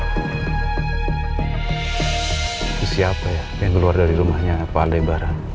itu siapa ya yang keluar dari rumahnya pandai barang